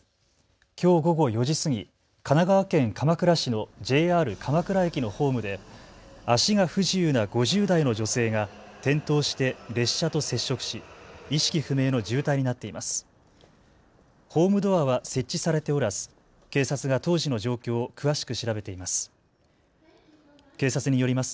きょう午後４時過ぎ、神奈川県鎌倉市のＪＲ鎌倉駅のホームで足が不自由な５０代の女性が転倒して列車と接触し意識不明の重体になっています。